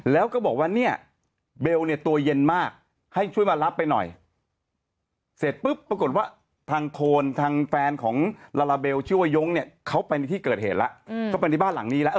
แล้วก็บอกว่าเนี่ยเบลเนี่ยตัวเย็นมากให้ช่วยมารับไปหน่อยเสร็จปุ๊บปรากฏว่าทางโทนทางแฟนของลาลาเบลชื่อว่ายงเนี่ยเขาไปในที่เกิดเหตุแล้วก็ไปในบ้านหลังนี้แล้ว